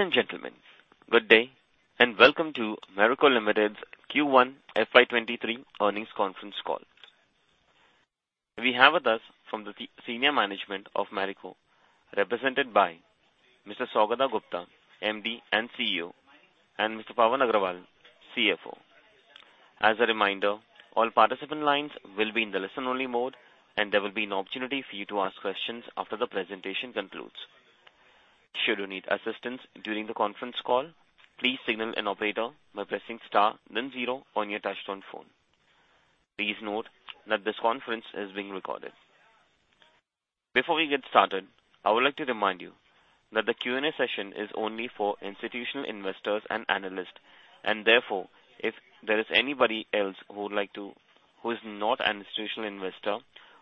Ladies and gentlemen, good day and welcome to Marico Limited's Q1 FY23 Earnings Conference Call. We have with us from the senior management of Marico, represented by Mr. Saugata Gupta, MD and CEO, and Mr. Pawan Agrawal, CFO. As a reminder, all participant lines will be in the listen-only mode, and there will be an opportunity for you to ask questions after the presentation concludes. Should you need assistance during the conference call, please signal an operator by pressing star then zero on your touchtone phone. Please note that this conference is being recorded. Before we get started, I would like to remind you that the Q&A session is only for institutional investors and analysts, and therefore, if there is anybody else who is not an institutional investor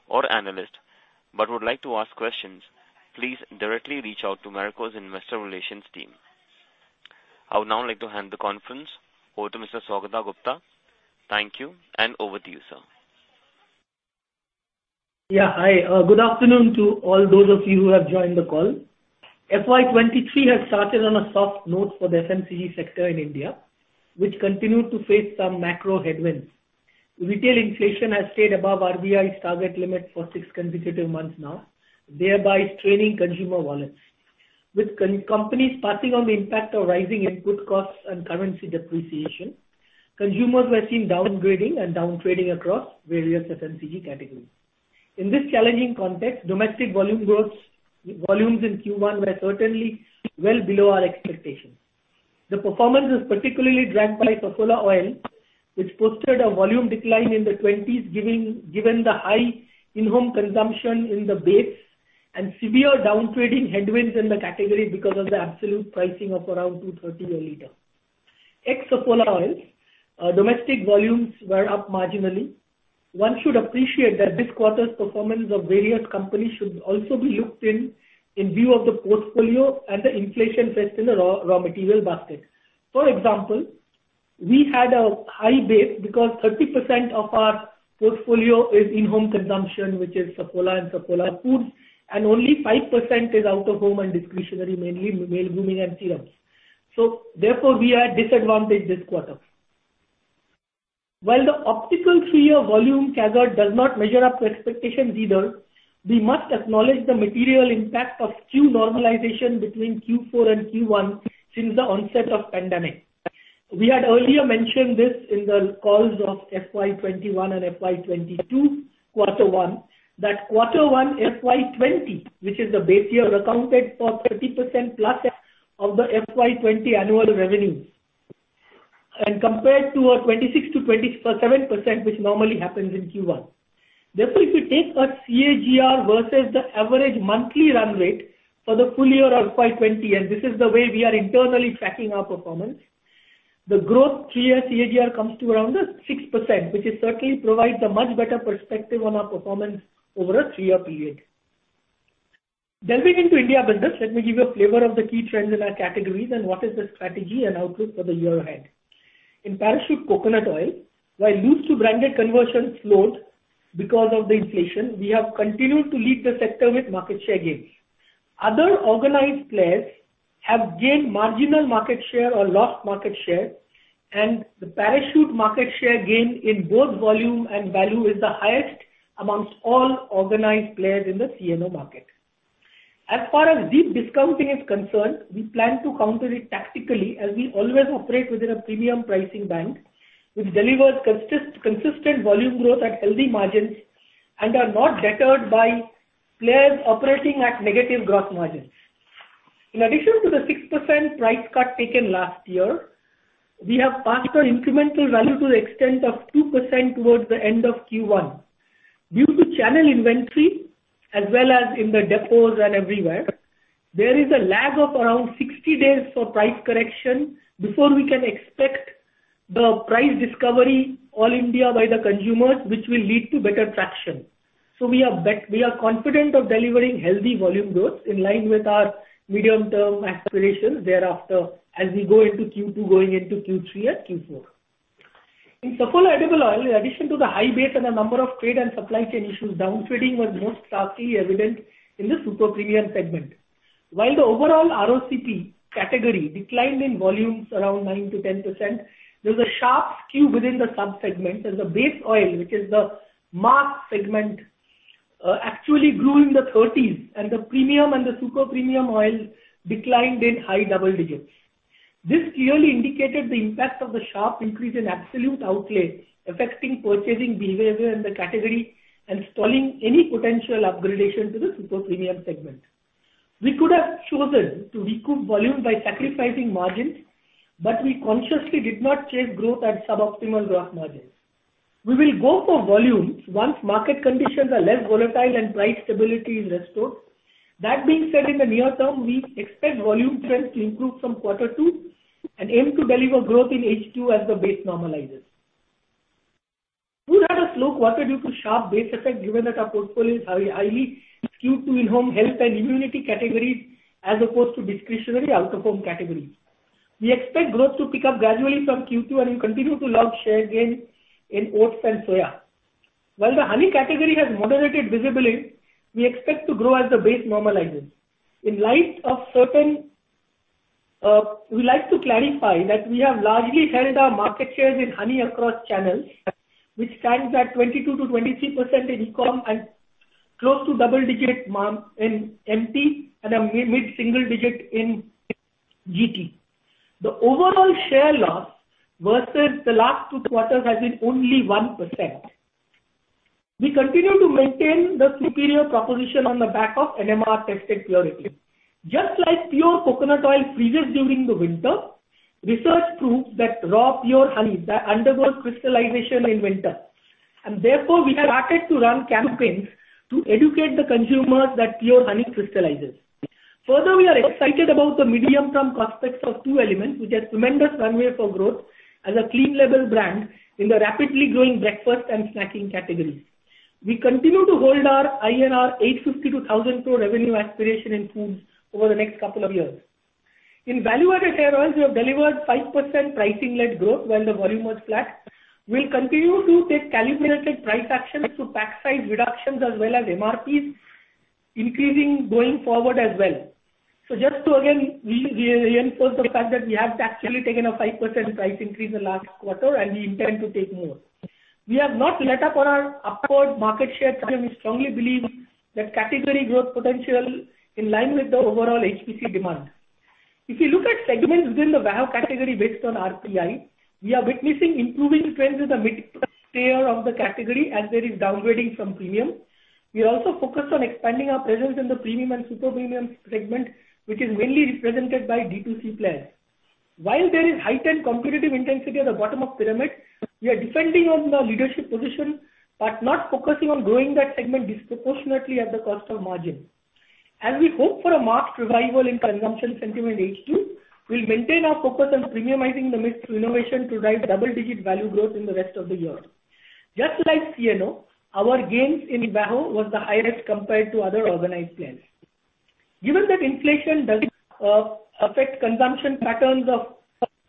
or analyst but would like to ask questions, please directly reach out to Marico's investor relations team. I would now like to hand the conference over to Mr. Saugata Gupta. Thank you, and over to you, sir. Yeah. Hi. Good afternoon to all those of you who have joined the call. FY 2023 has started on a soft note for the FMCG sector in India, which continued to face some macro headwinds. Retail inflation has stayed above RBI's target limit for six consecutive months now, thereby straining consumer wallets. With companies passing on the impact of rising input costs and currency depreciation, consumers were seen downgrading and down trading across various FMCG categories. In this challenging context, domestic volumes in Q1 were certainly well below our expectations. The performance was particularly dragged by Saffola Oil, which posted a volume decline in the 20s, given the high in-home consumption in the base and severe down trading headwinds in the category because of the absolute pricing of around 230 a liter. Ex-Saffola Oil, domestic volumes were up marginally. One should appreciate that this quarter's performance of various companies should also be looked in view of the portfolio and the inflation risk in the raw material basket. For example, we had a high base because 30% of our portfolio is in-home consumption, which is Saffola and Saffola Foods, and only 5% is out-of-home and discretionary, mainly male grooming and serums. Therefore, we are disadvantaged this quarter. While the overall three-year volume CAGR does not measure up to expectations either, we must acknowledge the material impact of SKU normalization between Q4 and Q1 since the onset of pandemic. We had earlier mentioned this in the calls of FY 2021 and FY 2022 Q1, that Q1 FY 2020, which is the base year, accounted for 30%+ of the FY 2020 annual revenues, and compared to a 26%-27%, which normally happens in Q1. Therefore, if you take a CAGR versus the average monthly run rate for the full year of FY 2020, and this is the way we are internally tracking our performance, the growth three-year CAGR comes to around 6%, which certainly provides a much better perspective on our performance over a three-year period. Delving into India business, let me give you a flavor of the key trends in our categories and what is the strategy and outlook for the year ahead. In Parachute Coconut Oil, while loose-to-branded conversion slowed because of the inflation, we have continued to lead the sector with market share gains. Other organized players have gained marginal market share or lost market share, and the Parachute market share gain in both volume and value is the highest amongst all organized players in the CNO market. As far as deep discounting is concerned, we plan to counter it tactically as we always operate within a premium pricing band, which delivers consistent volume growth at healthy margins and are not deterred by players operating at negative growth margins. In addition to the 6% price cut taken last year, we have passed on incremental value to the extent of 2% towards the end of Q1. Due to channel inventory as well as in the depots and everywhere, there is a lag of around 60 days for price correction before we can expect the price discovery all India by the consumers, which will lead to better traction. We are confident of delivering healthy volume growth in line with our medium-term aspirations thereafter as we go into Q2, going into Q3 and Q4. In Saffola Edible Oil, in addition to the high base and the number of trade and supply chain issues, down trading was most starkly evident in the super premium segment. While the overall ROCP category declined in volumes around 9%-10%, there was a sharp skew within the subsegments as the base oil, which is the mass segment, actually grew in the 30s, and the premium and the super premium oil declined in high double digits. This clearly indicated the impact of the sharp increase in absolute outlay affecting purchasing behavior in the category and stalling any potential upgradation to the super premium segment. We could have chosen to recoup volume by sacrificing margins, but we consciously did not chase growth at suboptimal growth margins. We will go for volumes once market conditions are less volatile and price stability is restored. That being said, in the near term, we expect volume trends to improve from quarter two and aim to deliver growth in H2 as the base normalizes. Food had a slow quarter due to sharp base effect given that our portfolio is highly skewed to in-home health and immunity categories as opposed to discretionary out-of-home categories. We expect growth to pick up gradually from Q2 and will continue to log share gains in oats and soya. While the honey category has moderated visibly, we expect to grow as the base normalizes. In light of certain, we would like to clarify that we have largely held our market shares in honey across channels, which stands at 22%-23% in e-com and close to double digits in MT and a mid-single digit in GT. The overall share loss versus the last two quarters has been only 1%. We continue to maintain the superior proposition on the back of NMR-tested purity. Just like pure coconut oil freezes during the winter, research proves that raw pure honey that undergoes crystallization in winter, and therefore we have started to run campaigns to educate the consumers that pure honey crystallizes. Further, we are excited about the medium-term prospects of two elements which has tremendous runway for growth as a clean label brand in the rapidly growing breakfast and snacking categories. We continue to hold our 850 crore-1,000 crore INR revenue aspiration in foods over the next couple of years. In value-added hair oils, we have delivered 5% pricing-led growth while the volume was flat. We'll continue to take calibrated price actions to pack size reductions as well as MRPs increasing going forward as well. Just to again reinforce the fact that we have actually taken a 5% price increase in the last quarter, and we intend to take more. We have not let up on our upward market share target. We strongly believe that category growth potential in line with the overall HPC demand. If you look at segments within the VAHO. Category based on RPI, we are witnessing improving trends in the mid-price tier of the category as there is downgrading from premium. We are also focused on expanding our presence in the premium and super premium segment, which is mainly represented by D2C players. While there is heightened competitive intensity at the bottom of pyramid, we are defending on the leadership position but not focusing on growing that segment disproportionately at the cost of margin. As we hope for a marked revival in consumption sentiment in H2, we'll maintain our focus on premiumizing the mix through innovation to drive double-digit value growth in the rest of the year. Just like CNO, our gains in VAHO was the highest compared to other organized players. Given that inflation doesn't affect consumption patterns of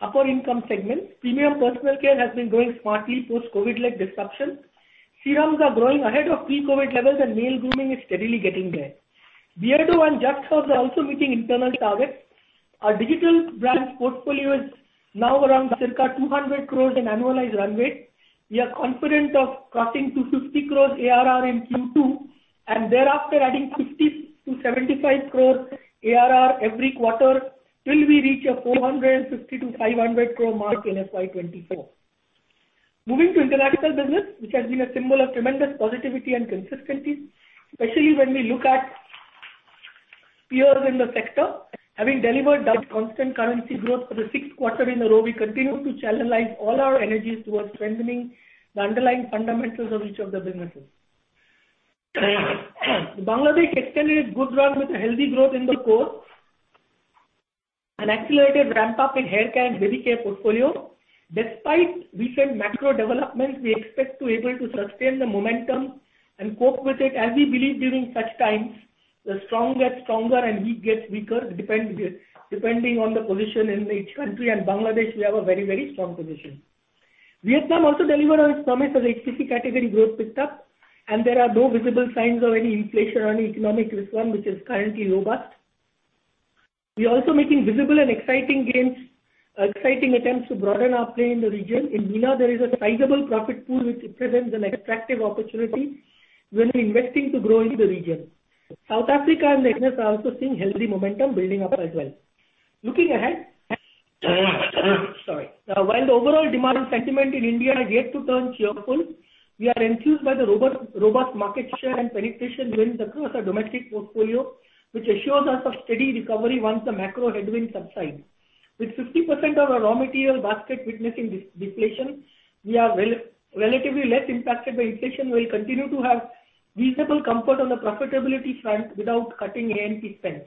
upper income segments, premium personal care has been growing smartly post-COVID-led disruption. Serums are growing ahead of pre-COVID levels, and male grooming is steadily getting there. Beardo and Just Herbs are also meeting internal targets. Our digital brands portfolio is now around circa 200 crores in annualized run rate. We are confident of crossing to 50 crores ARR in Q2 and thereafter adding 50 crores-75 crores ARR every quarter till we reach a 450 crore-500 crore mark in FY 2024. Moving to international business, which has been a symbol of tremendous positivity and consistency, especially when we look at peers in the sector. Having delivered double constant currency growth for the sixth quarter in a row, we continue to channelize all our energies towards strengthening the underlying fundamentals of each of the businesses. Bangladesh extended its good run with a healthy growth in the core and accelerated ramp-up in hair care and baby care portfolio. Despite recent macro developments, we expect to be able to sustain the momentum and cope with it as we believe during such times the strong get stronger and weak get weaker depending on the position in each country, and Bangladesh, we have a very, very strong position. Vietnam also delivered on its promise as HPC category growth picked up, and there are no visible signs of any inflation or any economic risks, one which is currently robust. We are also making visible and exciting gains, exciting attempts to broaden our play in the region. In MENA, there is a sizable profit pool which presents an attractive opportunity when investing to grow into the region. South Africa and LATAM are also seeing healthy momentum building up as well. Looking ahead. While the overall demand sentiment in India is yet to turn cheerful, we are enthused by the robust market share and penetration wins across our domestic portfolio, which assures us of steady recovery once the macro headwinds subside. With 50% of our raw material basket witnessing deflation, we are relatively less impacted by inflation. We'll continue to have reasonable comfort on the profitability front without cutting A&P spends.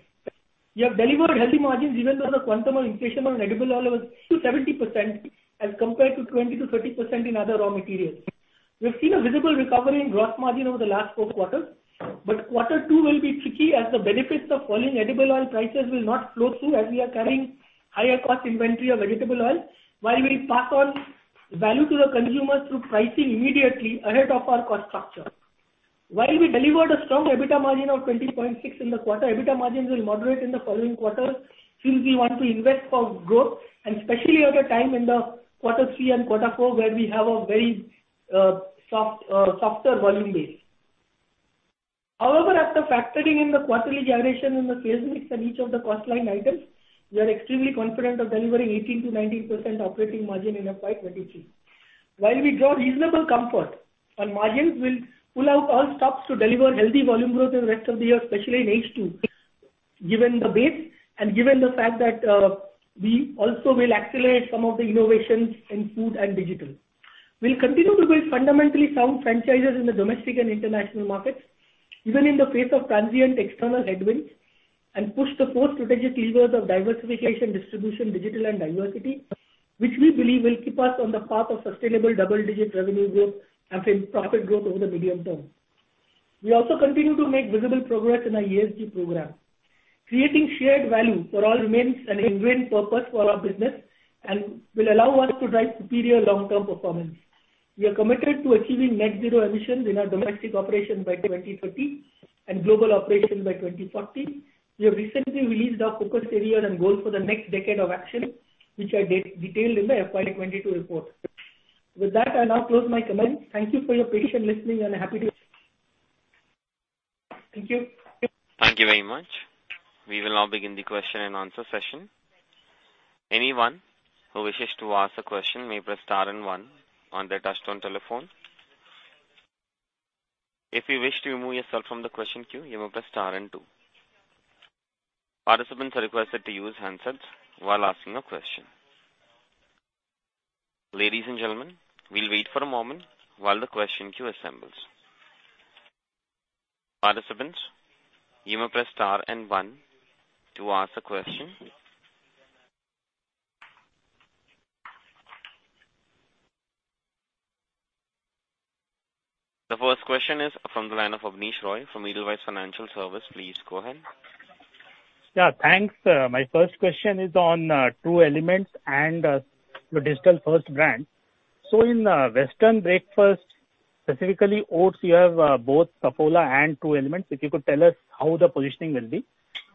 We have delivered healthy margins even though the quantum of inflation on edible oil was 2%-70% as compared to 20%-30% in other raw materials. We've seen a visible recovery in gross margin over the last four quarters, but quarter two will be tricky as the benefits of falling edible oil prices will not flow through as we are carrying higher cost inventory of vegetable oil while we pass on value to the consumers through pricing immediately ahead of our cost structure. While we delivered a strong EBITDA margin of 20.6% in the quarter, EBITDA margins will moderate in the following quarters since we want to invest for growth and especially at a time in quarter three and quarter four, where we have a very soft, softer volume base. However, after factoring in the quarterly variation in the sales mix and each of the cost line items, we are extremely confident of delivering 18%-19% operating margin in FY 2023. While we draw reasonable comfort on margins, we'll pull out all stops to deliver healthy volume growth in the rest of the year, especially in H2, given the base and given the fact that, we also will accelerate some of the innovations in food and digital. We'll continue to build fundamentally sound franchises in the domestic and international markets, even in the face of transient external headwinds, and push the four strategic levers of diversification, distribution, digital, and diversity, which we believe will keep us on the path of sustainable double-digit revenue growth as in profit growth over the medium term. We also continue to make visible progress in our ESG program. Creating shared value for all remains an ingrained purpose for our business and will allow us to drive superior long-term performance. We are committed to achieving net zero emissions in our domestic operations by 2030 and global operations by 2040. We have recently released our focus areas and goals for the next decade of action, which I detailed in the FY 2022 report. With that, I now close my comments. Thank you for your patient listening. Thank you. Thank you very much. We will now begin the question and answer session. Anyone who wishes to ask a question may press star and one on their touchtone telephone. If you wish to remove yourself from the question queue, you may press star and two. Participants are requested to use handsets while asking a question. Ladies and gentlemen, we'll wait for a moment while the question queue assembles. Participants, you may press star and one to ask a question. The first question is from the line of Abneesh Roy from Edelweiss Financial Services. Please go ahead. Yeah, thanks. My first question is on True Elements and your digital first brand. In Western breakfast, specifically oats, you have both Saffola and True Elements. If you could tell us how the positioning will be.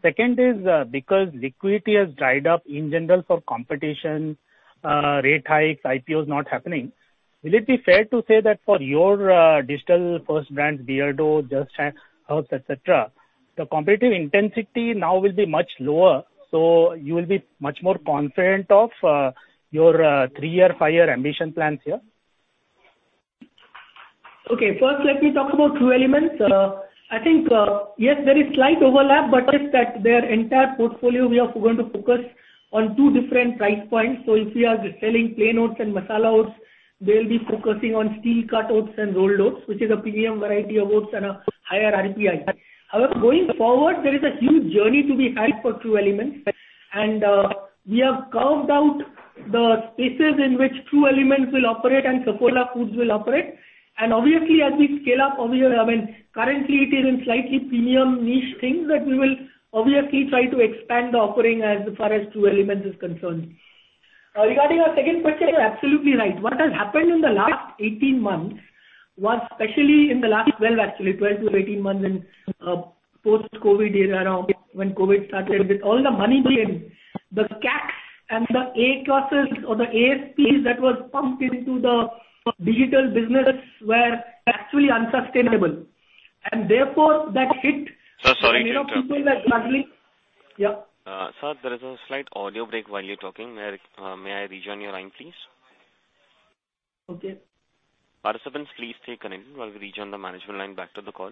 Second is, because liquidity has dried up in general for competition, rate hikes, IPOs not happening. Will it be fair to say that for your digital first brands, Beardo, Just Herbs, et cetera, the competitive intensity now will be much lower, so you will be much more confident of your three-year, five-year ambition plans here? Okay. First, let me talk about True Elements. I think, yes, there is slight overlap, but is that their entire portfolio we are going to focus on two different price points. If we are selling plain oats and masala oats, they'll be focusing on steel cut oats and rolled oats, which is a premium variety of oats and a higher RPI. However, going forward, there is a huge journey to be had for True Elements. We have carved out the spaces in which True Elements will operate and Saffola Foods will operate. Obviously, as we scale up, I mean, currently it is in slightly premium niche things that we will obviously try to expand the offering as far as True Elements is concerned. Regarding our second question, you're absolutely right. What has happened in the last 18 months was, especially in the last 12 actually, 12 to 18 months in, post-COVID era or when COVID started, with all the money being, the CACs and the A&P costs or the ASPs that were pumped into the digital business were actually unsustainable. Therefore, that hit- Sir, sorry to interrupt. You know, people were gradually. Yeah. Sir, there is a slight audio break while you're talking. May I rejoin your line, please? Okay. Participants, please stay connected while we rejoin the management line back to the call.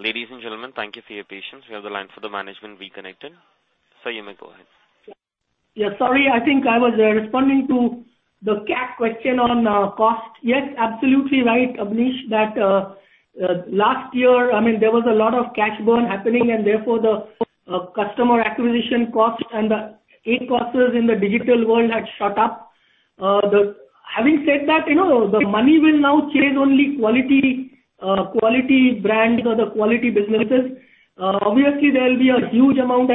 Ladies and gentlemen, thank you for your patience. We have the line for the management reconnected. Sir, you may go ahead. Yeah, sorry. I think I was responding to the CAC question on cost. Yes, absolutely right, Abneesh, that last year, I mean, there was a lot of cash burn happening and therefore the customer acquisition costs and the A&P costs in the digital world had shot up. Having said that, you know, the money will now chase only quality brands or the quality businesses. Obviously there will be a huge amount.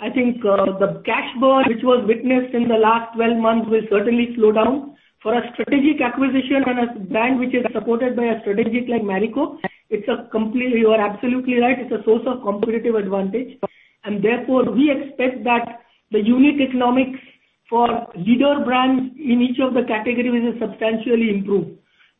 I think the cash burn which was witnessed in the last 12 months will certainly slow down. For a strategic acquisition and a brand which is supported by a strategic like Marico, it's a complete. You are absolutely right. It's a source of competitive advantage. Therefore, we expect that the unique economics for leader brands in each of the category will substantially improve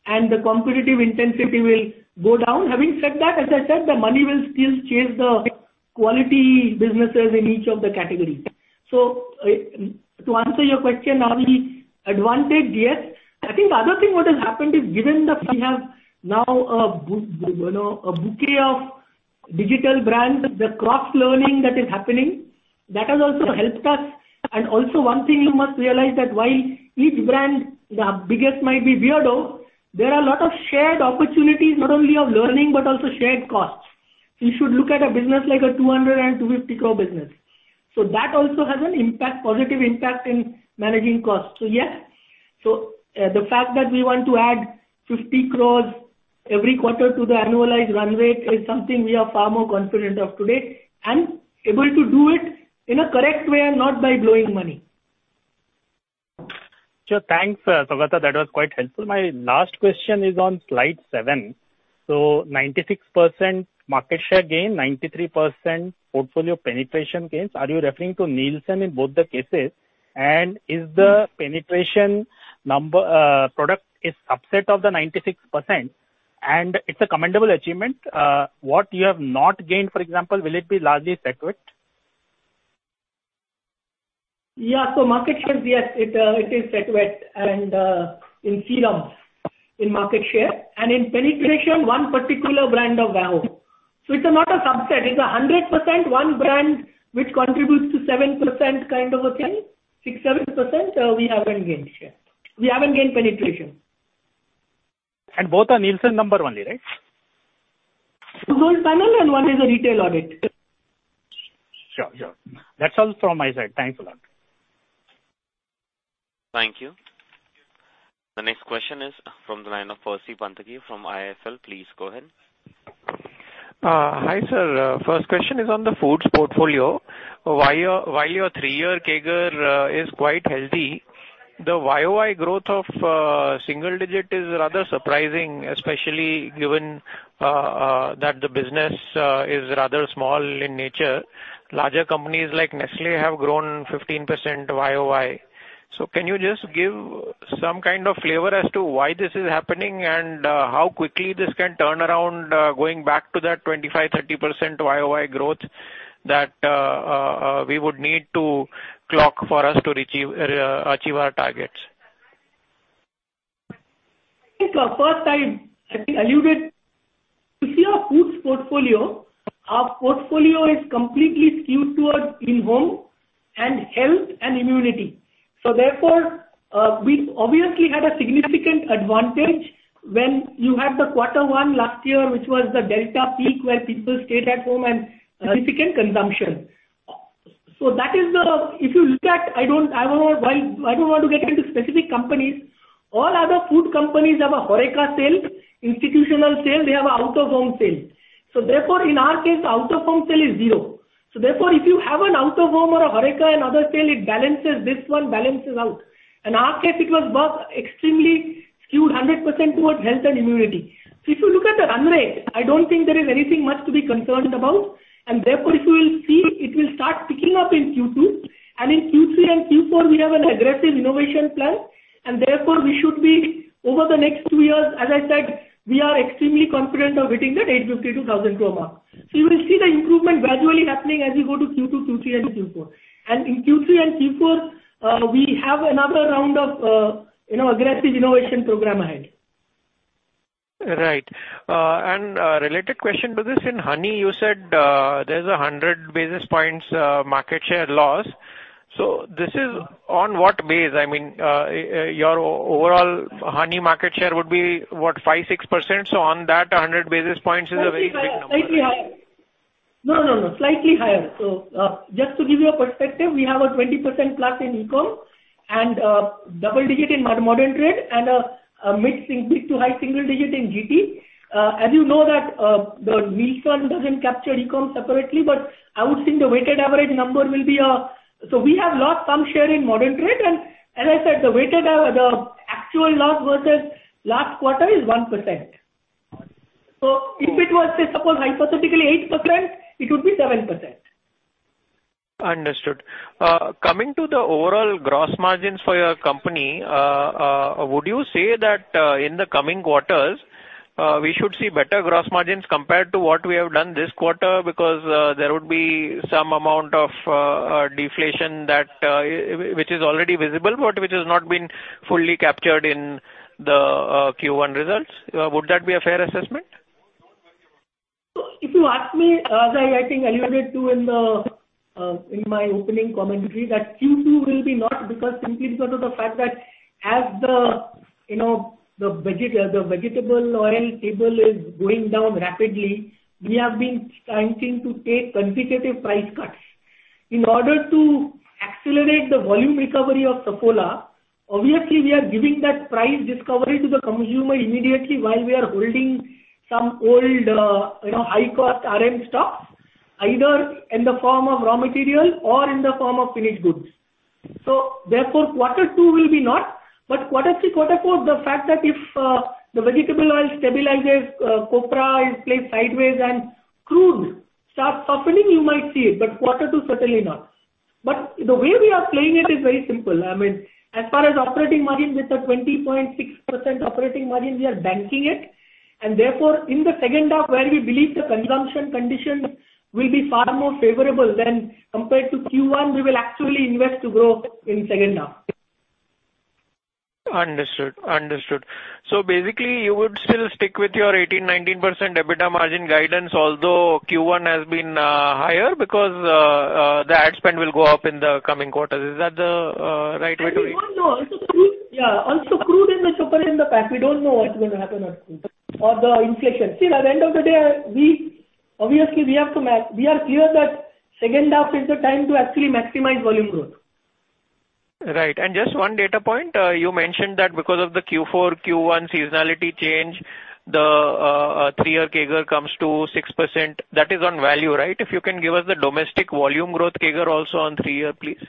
and the competitive intensity will go down. Having said that, as I said, the money will still chase the quality businesses in each of the categories. To answer your question, are we advantaged? Yes. I think the other thing what has happened is given that we have now you know, a bouquet of digital brands, the cross-learning that is happening, that has also helped us. Also one thing you must realize that while each brand, the biggest might be Beardo, there are a lot of shared opportunities, not only of learning, but also shared costs. You should look at a business like a 200 crore- 250 crore business. That also has an impact, positive impact in managing costs. Yes. The fact that we want to add 50 crore every quarter to the annualized run rate is something we are far more confident of today and able to do it in a correct way and not by blowing money. Sure. Thanks, Saugata. That was quite helpful. My last question is on slide seven. 96% market share gain, 93% portfolio penetration gains. Are you referring to Nielsen in both the cases? And is the penetration number, product is subset of the 96% and it's a commendable achievement. What you have not gained, for example, will it be largely Set Wet? Market share, yes, it is Set Wet and in serums, in market share and in penetration, one particular brand of WOW. It's not a subset. It's 100% one brand which contributes to 7% kind of a thing. 6%-7%, we haven't gained share. We haven't gained penetration. Both are Nielsen number only, right? The whole panel and one is a retail audit. Sure, sure. That's all from my side. Thanks a lot. Thank you. The next question is from the line of Percy Panthaki from IIFL. Please go ahead. Hi, sir. First question is on the foods portfolio. While your three-year CAGR is quite healthy, the YOY growth of single digit is rather surprising, especially given that the business is rather small in nature. Larger companies like Nestlé have grown 15% YOY. Can you just give some kind of flavor as to why this is happening and how quickly this can turn around, going back to that 25%-30% YOY growth that we would need to clock to achieve our targets? First, I think alluded, you see our foods portfolio, our portfolio is completely skewed towards in-home and health and immunity. Therefore, we obviously had a significant advantage when you had the quarter one last year, which was the delta peak, where people stayed at home and significant consumption. If you look at, I don't want to get into specific companies. All other food companies have a HORECA sale, institutional sale, they have an out-of-home sale. Therefore, in our case, out-of-home sale is zero. Therefore, if you have an out-of-home or a HORECA and other sale, it balances out. In our case, it was extremely skewed 100% towards health and immunity. If you look at the run rate, I don't think there is anything much to be concerned about. Therefore, if you will see, it will start picking up in Q2. In Q3 and Q4, we have an aggressive innovation plan. We should be over the next two years, as I said, we are extremely confident of hitting that 850 crore-1,000 crore mark. You will see the improvement gradually happening as we go to Q2, Q3 and Q4. In Q3 and Q4, you know, we have another round of aggressive innovation program ahead. Right. A related question to this. In honey, you said, there's 100 basis points market share loss. This is on what base? I mean, your overall honey market share would be what? 5%-6%. On that, 100 basis points is a very big number. Slightly higher. No, no. Slightly higher. Just to give you a perspective, we have 20%+ in e-com and double-digit in modern trade and a mid- to high-single-digit in GT. As you know that, the Nielsen doesn't capture e-com separately, but I would think the weighted average number will be. We have lost some share in modern trade. As I said, the actual loss versus last quarter is 1%. If it was, say, suppose hypothetically 8%, it would be 7%. Understood. Coming to the overall gross margins for your company, would you say that in the coming quarters we should see better gross margins compared to what we have done this quarter? There would be some amount of deflation that which is already visible, but which has not been fully captured in the Q1 results. Would that be a fair assessment? If you ask me, as I think alluded to in my opening commentary, that Q2 will be not because simply because of the fact that as the, you know, the vegetable oil prices are going down rapidly, we have been trying to take consecutive price cuts. In order to accelerate the volume recovery of Saffola, obviously, we are giving that price discovery to the consumer immediately while we are holding some old, you know, high-cost RM stock, either in the form of raw material or in the form of finished goods. Therefore, quarter two will be not. Quarter three, quarter four, the fact that if the vegetable oil stabilizes, copra prices are sideways, and crude oil starts softening, you might see it, but quarter two, certainly not. The way we are playing it is very simple. I mean, as far as operating margin, with a 20.6% operating margin, we are banking it. Therefore, in the second half, where we believe the consumption condition will be far more favorable than compared to Q1, we will actually invest to grow in second half. Understood. Basically, you would still stick with your 18%-19% EBITDA margin guidance, although Q1 has been higher because the ad spend will go up in the coming quarters. Is that the right way to read? We don't know. Yeah, also crude has been cheaper in the past. We don't know what's gonna happen on crude or the inflation. Still, at the end of the day, we obviously are clear that second half is the time to actually maximize volume growth. Right. Just one data point. You mentioned that because of the Q4, Q1 seasonality change, the three-year CAGR comes to 6%. That is on value, right? If you can give us the domestic volume growth CAGR also on three-year, please.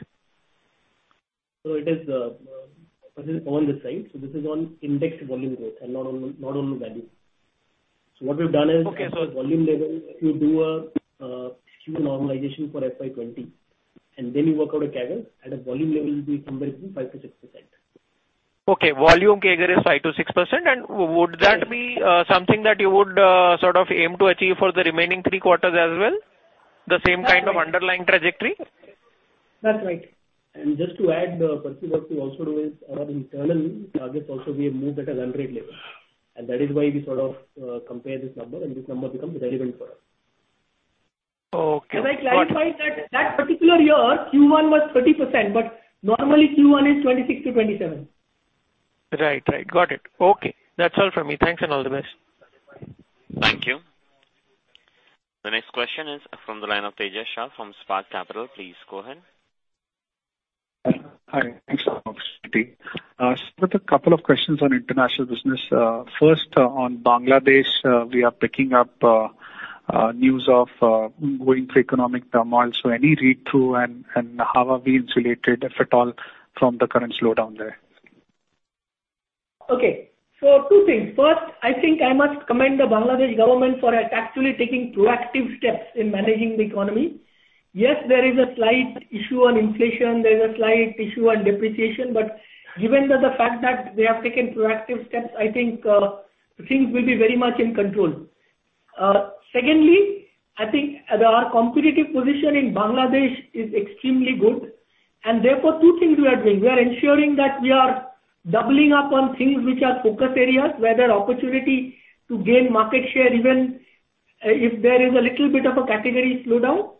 It is on the slide. This is on indexed volume growth and not on the value. What we've done is- Okay. At volume level, if you do a Q normalization for FY 2020, and then you work out a CAGR, at a volume level it will be somewhere between 5%-6%. Okay. Volume CAGR is 5%-6%. Would that be something that you would sort of aim to achieve for the remaining three quarters as well? The same kind of underlying trajectory? That's right. Just to add, Percy, what we also do is our internal targets also we have moved at a run rate level. That is why we sort of compare this number, and this number becomes relevant for us. Okay. I clarified that that particular year, Q1 was 30%, but normally Q1 is 26%-27%. Right. Got it. Okay. That's all from me. Thanks and all the best. Thank you. The next question is from the line of Tejas Shah from Spark Capital. Please go ahead. Hi. Thanks for the opportunity. Sir, got a couple of questions on international business. First, on Bangladesh, we are picking up news of going through economic turmoil. Any read-through and how are we insulated, if at all, from the current slowdown there? Okay. Two things. First, I think I must commend the Bangladesh government for actually taking proactive steps in managing the economy. Yes, there is a slight issue on inflation, there's a slight issue on depreciation, but given that they have taken proactive steps, I think things will be very much in control. Second, I think our competitive position in Bangladesh is extremely good. Therefore, two things we are doing. We are ensuring that we are doubling up on things which are focus areas, where there are opportunity to gain market share, even if there is a little bit of a category slowdown.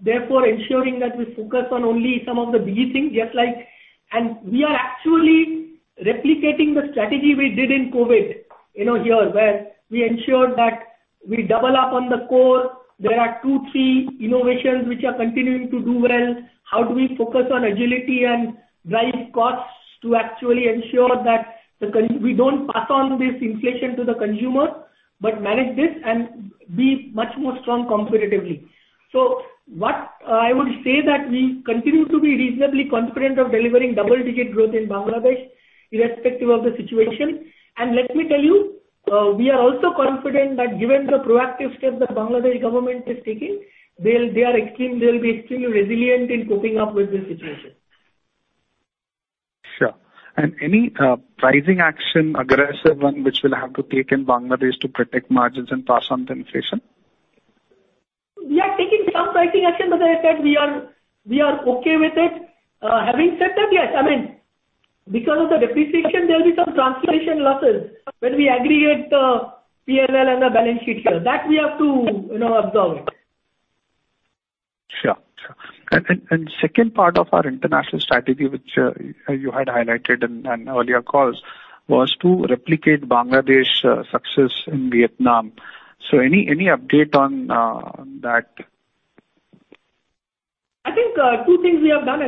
Therefore ensuring that we focus on only some of the big things, just like. We are actually replicating the strategy we did in COVID, you know, here, where we ensured that we double up on the core. There are two, three innovations which are continuing to do well. How do we focus on agility and drive costs to actually ensure that we don't pass on this inflation to the consumer, but manage this and be much more strong competitively. What I would say that we continue to be reasonably confident of delivering double-digit growth in Bangladesh irrespective of the situation. Let me tell you, we are also confident that given the proactive steps that Bangladesh government is taking, they'll be extremely resilient in coping up with this situation. Sure. Any pricing action, aggressive one, which we'll have to take in Bangladesh to protect margins and pass on the inflation? We are taking some pricing action, but as I said, we are okay with it. Having said that, yes, I mean, because of the depreciation, there'll be some translation losses when we aggregate P&L and the balance sheet here. That we have to, you know, absorb. Sure. Second part of our international strategy, which you had highlighted in earlier calls, was to replicate Bangladesh success in Vietnam. Any update on that? I think, two things we have done.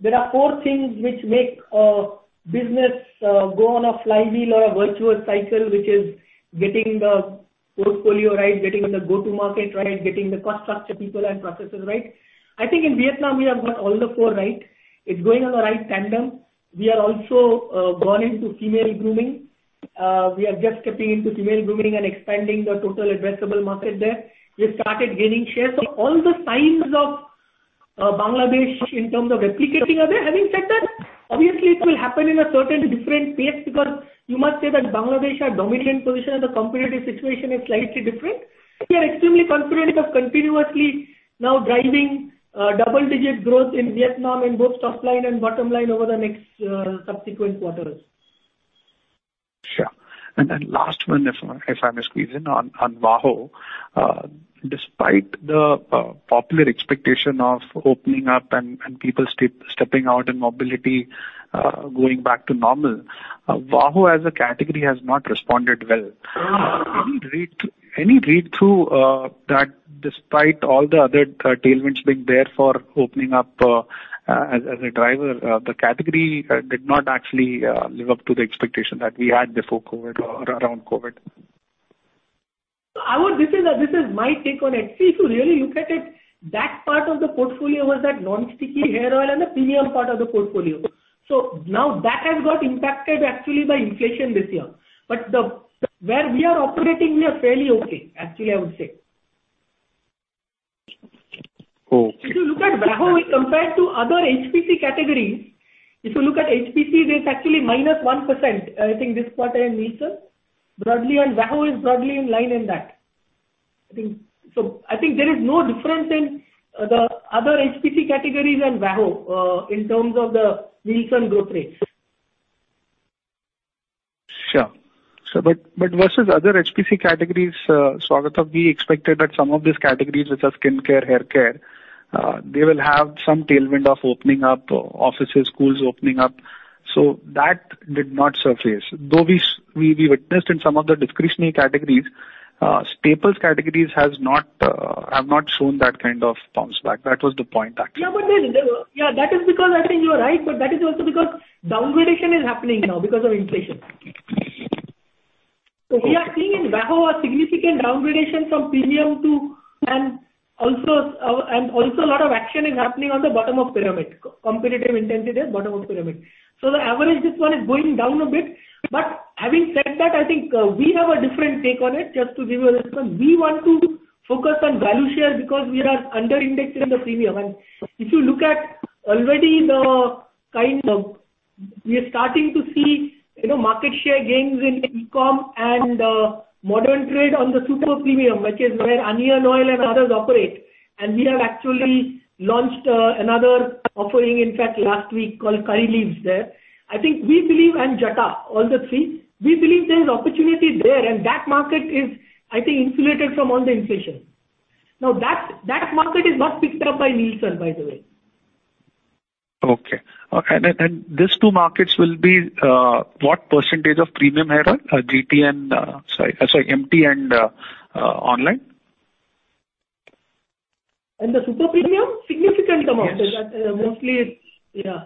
There are four things which make a business go on a flywheel or a virtuous cycle, which is getting the portfolio right, getting the go-to-market right, getting the cost structure, people, and processes right. I think in Vietnam, we have got all the four right. It's going on the right tandem. We are also gone into female grooming. We are just stepping into female grooming and expanding the total addressable market there. We have started gaining shares. All the signs of Bangladesh in terms of replicating are there. Having said that, obviously it will happen in a certain different pace because you must say that Bangladesh had dominant position and the competitive situation is slightly different. We are extremely confident of continuously now driving double-digit growth in Vietnam in both top line and bottom line over the next subsequent quarters. Sure. Last one, if I may squeeze in on VAHO. Despite the popular expectation of opening up and people stepping out and mobility going back to normal, VAHO as a category has not responded well. Yeah. Any read-through that, despite all the other tailwinds being there for opening up as a driver, the category did not actually live up to the expectation that we had before COVID or around COVID? This is my take on it. If you really look at it, that part of the portfolio was that non-sticky hair oil and the premium part of the portfolio. Now that has got impacted actually by inflation this year. The where we are operating, we are fairly okay, actually, I would say. Oh, okay. If you look at VAHO, if compared to other HPC categories, if you look at HPC, there's actually -1%, I think this quarter in Nielsen. Broadly, VAHO is broadly in line in that. I think there is no difference in the other HPC categories and VAHO in terms of the Nielsen growth rates. But versus other HPC categories, Saugata, we expected that some of these categories, which are skincare, haircare, they will have some tailwind of opening up, offices, schools opening up. That did not surface. Though we witnessed in some of the discretionary categories, staples categories have not shown that kind of bounce back. That was the point actually. Yeah, that is because I think you are right, but that is also because downgrading is happening now because of inflation. We are seeing in VAHO a significant downgrading from premium to, and also a lot of action is happening on the bottom of pyramid. Competitive intensity at bottom of pyramid. The average this quarter is going down a bit. Having said that, I think we have a different take on it, just to give you a response. We want to focus on value share because we are under-indexed in the premium. If you look at already the kind of we are starting to see, you know, market share gains in e-com and modern trade on the super premium, which is where onion oil and others operate. We have actually launched another offering, in fact, last week called Curry Leaves there. I think we believe, and Jata, all the three, we believe there is opportunity there, and that market is, I think, insulated from all the inflation. Now, that market is not picked up by Nielsen, by the way. Okay. These two markets will be what percentage of premium hair oil? Sorry, MT and online? In the super premium? Significant amount. Yes. Mostly it's. Yeah.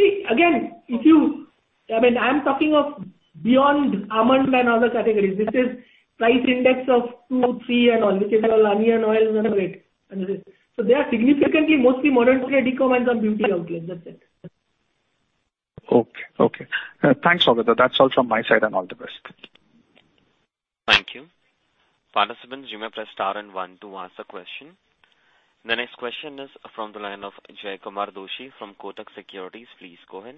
See, again, I mean, I'm talking of beyond almond and other categories. This is price index of two, three and all, which is all onion oils and all that. They are significantly mostly modern trade e-commerce and beauty outlets, that's it. Okay. Thanks, Saugata. That's all from my side and all the best. Thank you. Participants, you may press star and one to ask a question. The next question is from the line of Jaykumar Doshi from Kotak Securities. Please go ahead.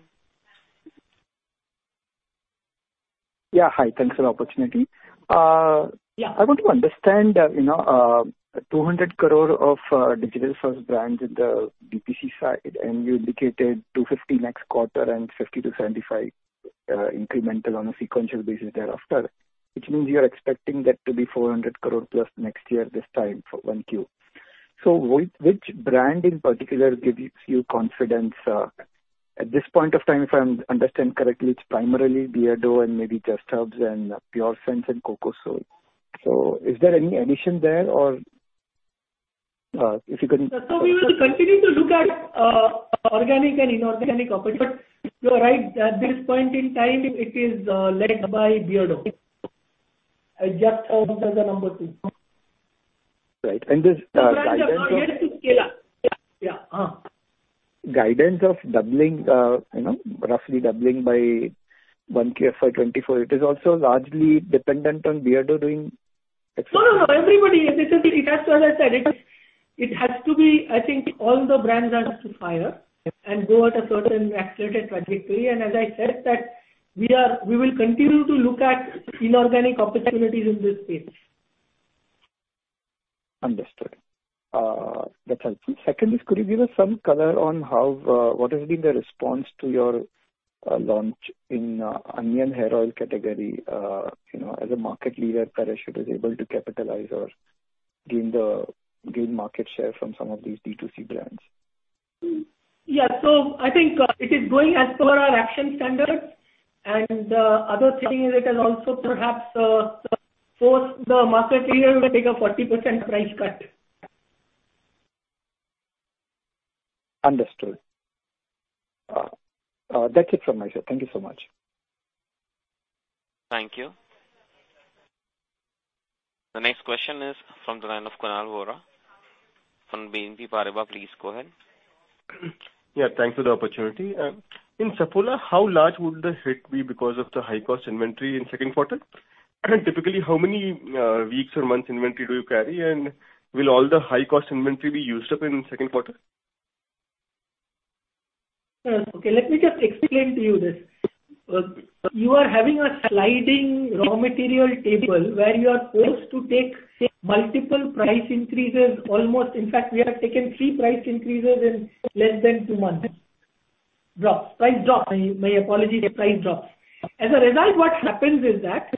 Yeah, hi. Thanks for the opportunity. Yeah. I want to understand, you know, 200 crore of digital first brands in the DTC side, and you indicated 250 crore next quarter and 50 crore-75 crore incremental on a sequential basis thereafter, which means you are expecting that to be 400 crore plus next year this time for Q1. Which brand in particular gives you confidence at this point of time, if I understand correctly, it's primarily Beardo and maybe Just Herbs and Plix and Coco Soul. Is there any addition there or if you can- We will continue to look at organic and inorganic opportunities. You are right, at this point in time, it is led by Beardo. Just Herbs is the number two. Right. This guidance. Yeah. Guidance of doubling, roughly doubling by 1Q FY2024, it is also largely dependent on Beardo doing- No. Everybody, it has to be, as I said. I think all the brands has to fire and go at a certain accelerated trajectory. As I said, we will continue to look at inorganic opportunities in this space. Understood. That's helpful. Second, could you give us some color on how what has been the response to your launch in onion hair oil category? You know, as a market leader, Parachute is able to capitalize or gain market share from some of these D2C brands. Yeah. I think it is going as per our action standards. The other thing is it has also perhaps forced the market leader to take a 40% price cut. Understood. That's it from my side. Thank you so much. Thank you. The next question is from the line of Kunal Vora from BNP Paribas. Please go ahead. Thanks for the opportunity. In Saffola, how large would the hit be because of the high cost inventory in second quarter? Typically, how many weeks or months inventory do you carry? Will all the high cost inventory be used up in second quarter? Okay. Let me just explain to you this. You are having a sliding raw material table where you are forced to take multiple price drops. In fact, we have taken three price drops in less than two months. As a result, what happens is that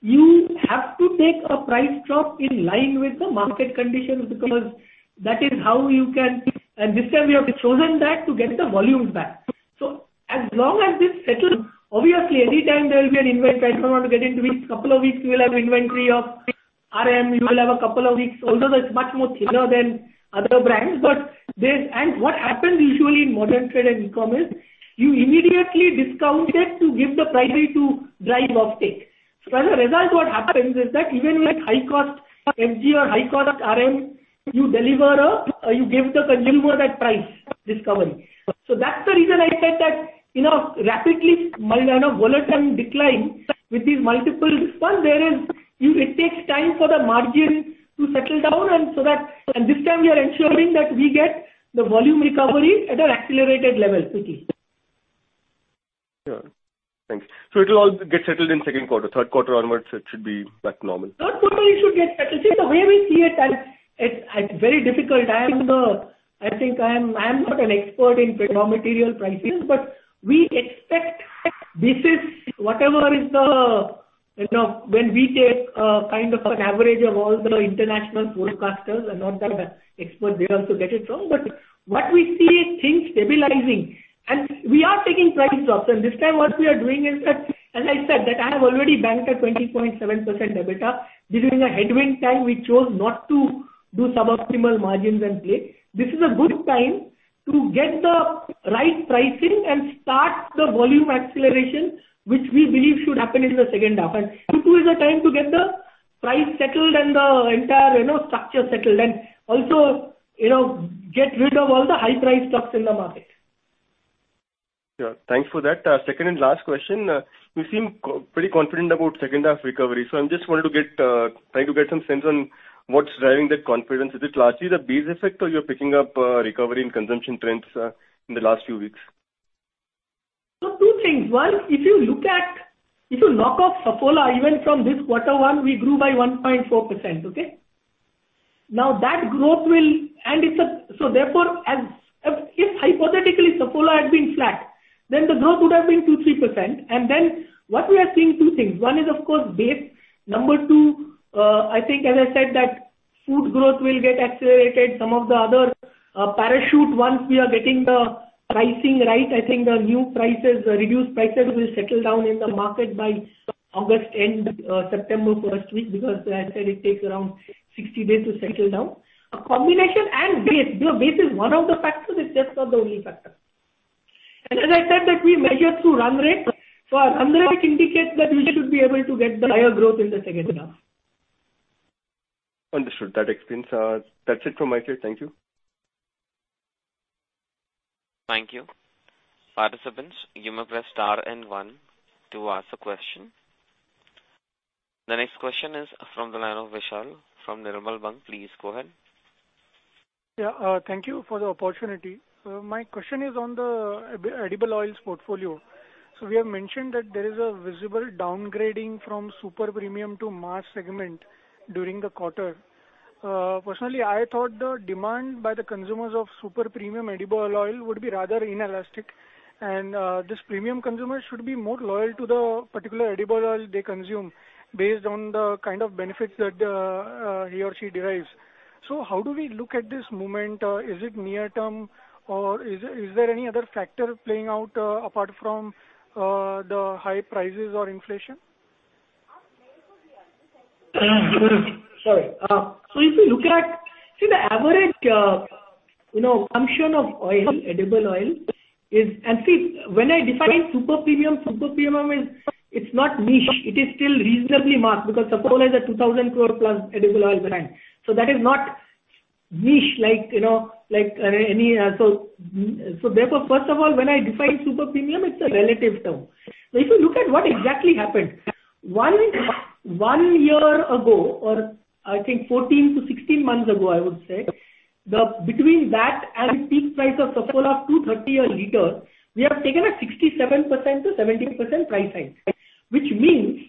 you have to take a price drop in line with the market condition because that is how you can. This time we have chosen that to get the volumes back. As long as this settles, obviously. I don't want to get into weeks. Couple of weeks we will have inventory of RM. We will have a couple of weeks. Also that's much more thinner than other brands. What happens usually in modern trade and e-commerce, you immediately discount it to give the pricing to drive offtake. As a result, what happens is that even with high cost MG or high cost RM, you deliver a, you give the consumer that price discovery. That's the reason I said that, rapidly, my kind of volatile decline with these multiple response, there is, it takes time for the margin to settle down and this time we are ensuring that we get the volume recovery at an accelerated level, Sujeet. Yeah. Thanks. It'll all get settled in second quarter. Third quarter onwards, it should be back to normal. Third quarter it should get settled. See, the way we see it's very difficult. I think I am not an expert in raw material pricing, but we expect that this is whatever is the, you know, when we take kind of an average of all the international forecasters and all the experts, they also get it from. What we see is things stabilizing. We are taking price drops. This time what we are doing is that, as I said, I have already banked a 20.7% EBITDA. During a headwind time, we chose not to do suboptimal margins and play. This is a good time to get the right pricing and start the volume acceleration, which we believe should happen in the second half. Q2 is a time to get the price settled and the entire, you know, structure settled and also, you know, get rid of all the high price stocks in the market. Yeah. Thanks for that. Second and last question. You seem pretty confident about second half recovery. I just wanted to try to get some sense on what's driving that confidence. Is it largely the base effect or you're picking up recovery in consumption trends in the last few weeks? Two things. One, if you look at, if you knock off Saffola, even from this quarter one, we grew by 1.4%, okay? Now that growth will. Therefore, if hypothetically Saffola had been flat, then the growth would have been 2%-3%. Then what we are seeing two things. One is of course base. Number two, I think as I said that food growth will get accelerated. Some of the other parachute ones we are getting the pricing right. I think the new prices, reduced prices will settle down in the market by August end, September first week, because as I said, it takes around 60 days to settle down. A combination and base. The base is one of the factors. It's just not the only factor. As I said that we measure through run rate. Our run rate indicates that we should be able to get the higher growth in the second half. Understood. That explains. That's it from my side. Thank you. Thank you. Participants, you may press star and one to ask a question. The next question is from the line of Vishal from Nirmal Bang. Please go ahead. Yeah. Thank you for the opportunity. My question is on the edible oils portfolio. We have mentioned that there is a visible downgrading from super premium to mass segment during the quarter. Personally, I thought the demand by the consumers of super premium edible oil would be rather inelastic, and this premium consumer should be more loyal to the particular edible oil they consume based on the kind of benefits that he or she derives. How do we look at this moment? Is it near term or is there any other factor playing out apart from the high prices or inflation? Sorry. If you look at the average, you know, consumption of oil, edible oil is. When I define super premium, super premium is it's not niche. It is still reasonably mass because Saffola is an 2,000 crore-plus edible oil brand. That is not niche like, you know, like any. Therefore, first of all, when I define super premium, it's a relative term. If you look at what exactly happened one year ago, or I think 14-16 months ago, I would say, between that and peak price of Saffola 230 a liter, we have taken a 67%-70% price hike. Which means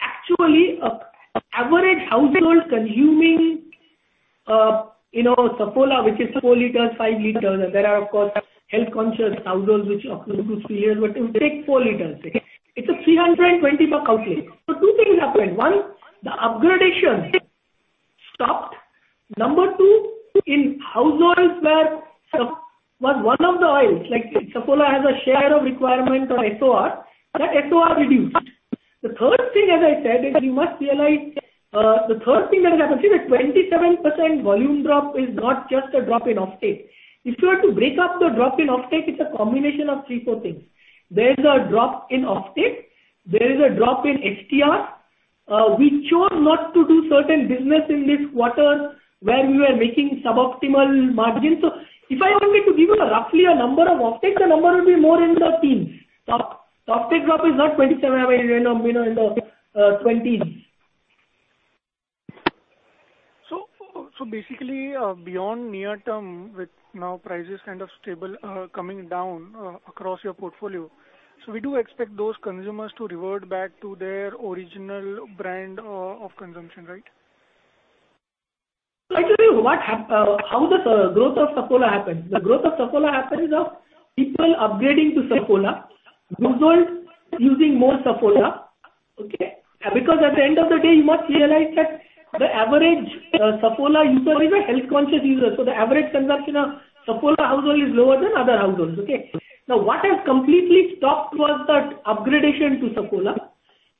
actually an average household consuming Saffola, which is four liters, five liters, and there are of course health-conscious households which opt for two, three liters, but if you take four liters, okay? It's an INR 320 outlay. Two things happened. One, the upgradation stopped. Number two, in households where Saffola was one of the oils, like Saffola has a share of requirement or SOR, that SOR reduced. The third thing, as I said, is you must realize the third thing that has happened, the 27% volume drop is not just a drop in offtake. If you were to break up the drop in offtake, it's a combination of three, four things. There is a drop in offtake, there is a drop in HTR. We chose not to do certain business in this quarter where we were making suboptimal margins. If I wanted to give you a roughly a number of offtake, the number would be more in the teens. Offtake drop is not 27, you know, in the twenties. Basically, beyond near term with now prices kind of stable, coming down, across your portfolio. We do expect those consumers to revert back to their original brand of consumption, right? I tell you how the growth of Saffola happens. The growth of Saffola happens because of people upgrading to Saffola, households using more Saffola, okay? Because at the end of the day, you must realize that the average Saffola user is a health-conscious user. The average consumption of Saffola household is lower than other households, okay? Now, what has completely stopped was that upgradation to Saffola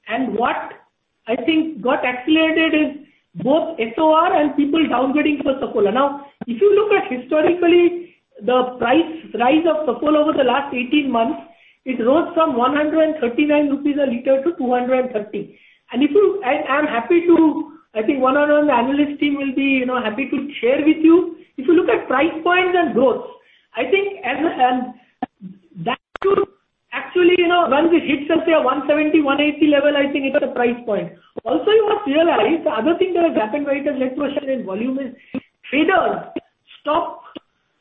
and what I think got accelerated is both SOR and people downgrading for Saffola. Now, if you look at historically, the price rise of Saffola over the last 18 months, it rose from 139 rupees a liter to 230. I'm happy to. I think one on one the analyst team will be, you know, happy to share with you. If you look at price points and growth, I think that could actually, you know, once it hits let's say an 170-180 level, I think it's at the price point. Also, you must realize the other thing that has happened, right, is net promotion and volume, it's traders stop,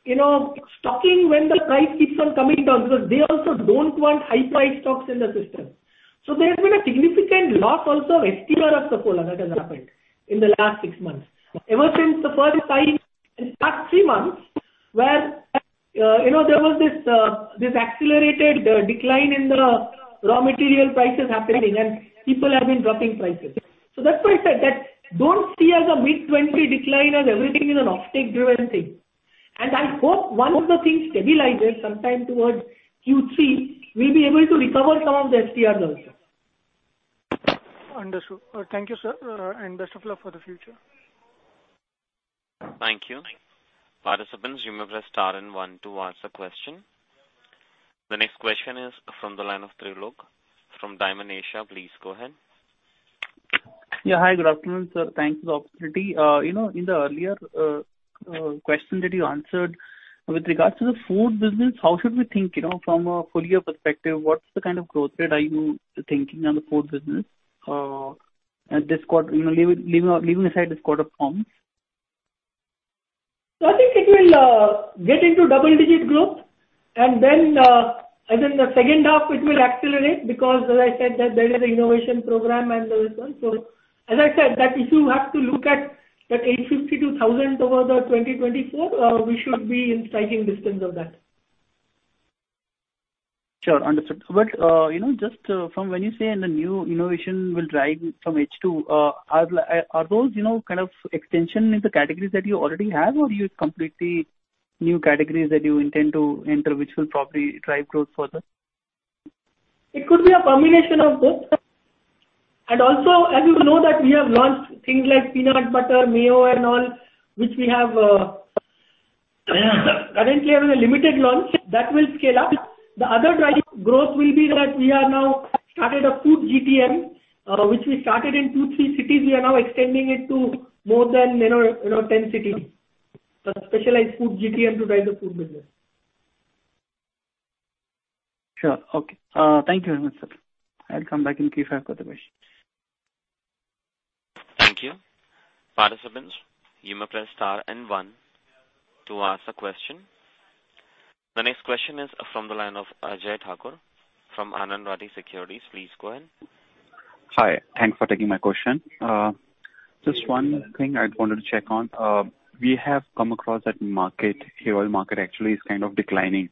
you know, stocking when the price keeps on coming down because they also don't want high price stocks in the system. There's been a significant loss also of SDR of Saffola that has happened in the last six months. Ever since the first time in that three months where, you know, there was this accelerated decline in the raw material prices happening and people have been dropping prices. That's why I said that don't see as a mid-20% decline as everything is an offtake driven thing. I hope once the thing stabilizes sometime towards Q3, we'll be able to recover some of the SDR loss. Understood. Thank you, sir, and best of luck for the future. Thank you. Participants, you may press star and one to ask a question. The next question is from the line of Trilok from Dymon Asia. Please go ahead. Yeah. Hi, good afternoon, sir. Thanks for the opportunity. You know, in the earlier question that you answered with regards to the food business, how should we think, you know, from a full year perspective, what's the kind of growth rate are you thinking on the food business? At this quarter, you know, leaving aside this quarter performance. I think it will get into double-digit growth and then as in the second half it will accelerate because as I said that there is an innovation program and there is one. As I said that if you have to look at that 850-1,000 over 2024, we should be in striking distance of that. Sure. Understood. You know, just from when you say in the new innovation will drive from H2, are those, you know, kind of extension in the categories that you already have or use completely new categories that you intend to enter which will probably drive growth further? It could be a combination of both. Also, as you know that we have launched things like peanut butter, mayo and all, which we have currently having a limited launch that will scale up. The other driving growth will be that we are now started a food GTM, which we started in two-three cities. We are now extending it to more than, you know, 10 cities. A specialized food GTM to drive the food business. Sure. Okay. Thank you very much, sir. I'll come back in case I've got the questions. Thank you. Participants, you may press star and one to ask a question. The next question is from the line of Ajay Thakur from Anand Rathi Securities. Please go ahead. Hi. Thanks for taking my question. Just one thing I wanted to check on. We have come across that market, hair oil market actually is kind of declining,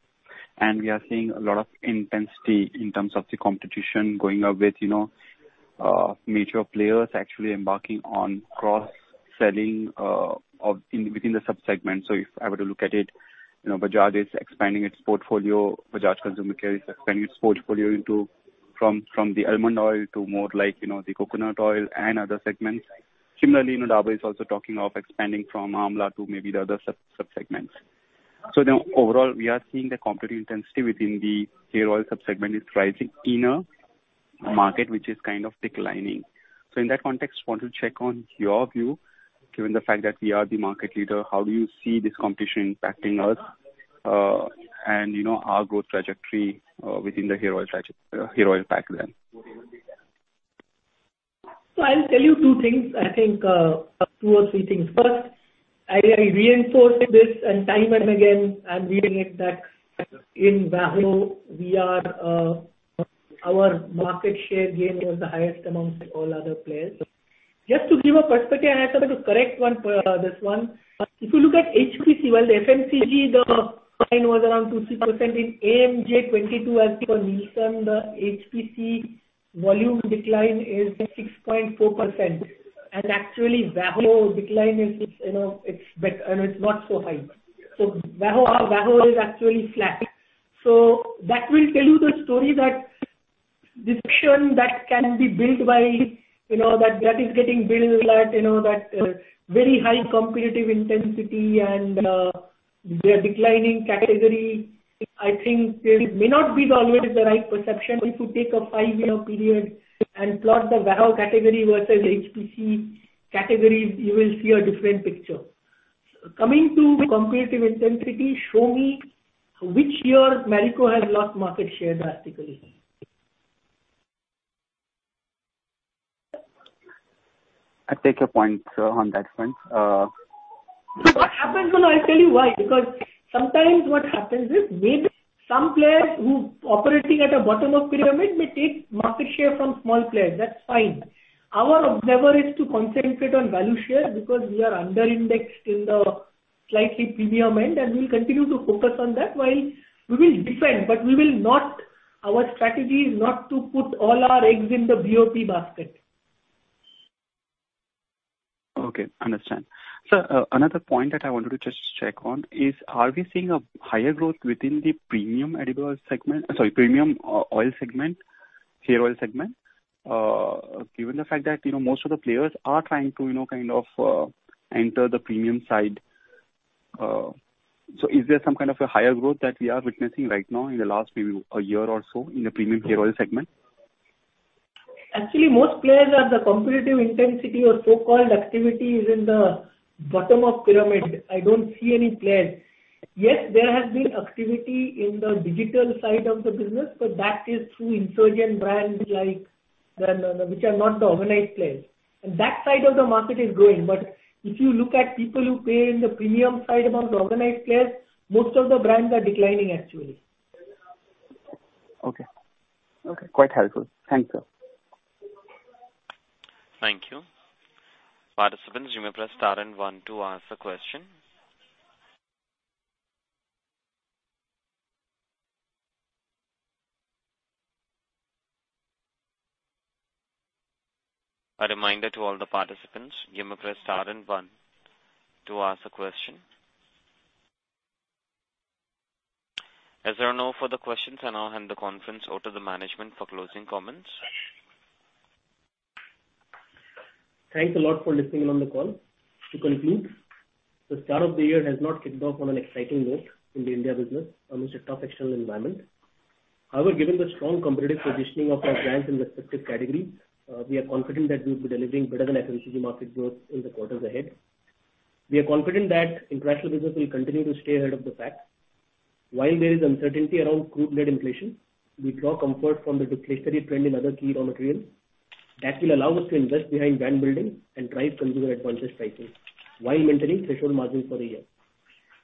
and we are seeing a lot of intensity in terms of the competition going up with, you know, major players actually embarking on cross-selling of within the sub-segment. If I were to look at it, you know, Bajaj is expanding its portfolio. Bajaj Consumer Care is expanding its portfolio from the almond oil to more like, you know, the coconut oil and other segments. Similarly, you know, Dabur is also talking of expanding from Amla to maybe the other sub-segments. Now overall, we are seeing the competitive intensity within the hair oil sub-segment is rising in a market which is kind of declining. In that context, want to check on your view, given the fact that we are the market leader, how do you see this competition impacting us, and you know, our growth trajectory, within the hair oil pack then? I'll tell you two things. I think two or three things. First, I reinforce this and time and again I'm reading it that in value we are our market share gain was the highest among all other players. Just to give a perspective, I have to correct one this one. If you look at HPC, while the FMCG, the decline was around 2.6%, in AMJ 2022 as per Nielsen, the HPC volume decline is 6.4%. Actually VAHO decline is, it's you know and it's not so high. VAHO is actually flat. That will tell you the story that the perception that can be built by, you know, that is getting built, you know, very high competitive intensity and we are declining category, I think there may not be always the right perception. If you take a five-year period and plot the VAHO category versus HPC categories, you will see a different picture. Coming to competitive intensity, show me which year Marico has lost market share drastically. I take your point, sir, on that front. What happens, you know, I'll tell you why. Because sometimes what happens is maybe some players who are operating at the bottom of the pyramid may take market share from small players. That's fine. Our objective is to concentrate on value share because we are under-indexed in the slightly premium end, and we'll continue to focus on that while we will defend, but we will not. Our strategy is not to put all our eggs in the BOP basket. Okay, understand. Sir, another point that I wanted to just check on is, are we seeing a higher growth within the premium hair oil segment? Given the fact that, you know, most of the players are trying to, you know, kind of, enter the premium side. Is there some kind of a higher growth that we are witnessing right now in the last maybe a year or so in the premium hair oil segment? Actually, most of the competitive intensity, or so-called activity, is in the bottom of pyramid. I don't see any players. Yes, there has been activity in the digital side of the business, but that is through insurgent brands which are not the organized players. That side of the market is growing. If you look at people who play in the premium side among the organized players, most of the brands are declining actually. Okay. Quite helpful. Thanks, sir. Thank you. Participants, you may press star and one to ask the question. A reminder to all the participants, you may press star and one to ask a question. As there are no further questions, I now hand the conference over to the management for closing comments. Thanks a lot for listening in on the call. To conclude, the start of the year has not kicked off on an exciting note in the India business amidst a tough external environment. However, given the strong competitive positioning of our brands in respective categories, we are confident that we'll be delivering better than FMCG market growth in the quarters ahead. We are confident that international business will continue to stay ahead of the pack. While there is uncertainty around crude-led inflation, we draw comfort from the deflationary trend in other key raw materials that will allow us to invest behind brand building and drive consumer advantage pricing while maintaining threshold margins for the year.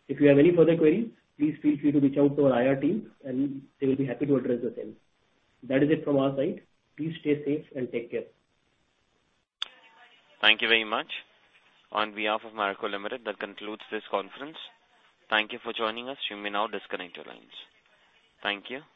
If you have any further queries, please feel free to reach out to our IR team and they will be happy to address the same. That is it from our side. Please stay safe and take care. Thank you very much. On behalf of Marico Limited, that concludes this conference. Thank you for joining us. You may now disconnect your lines. Thank you.